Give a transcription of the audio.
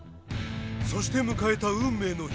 そして迎えた運命の日。